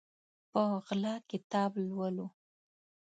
په غلا کتاب لولو